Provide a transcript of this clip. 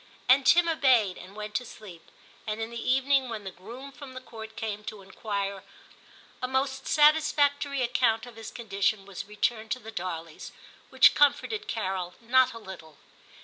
And Tim obeyed and went to sleep ; and in the evening when the groom from the Court came * to enquire,' a most satisfactory account of his condition was returned to the Darleys, which comforted Carol not a little.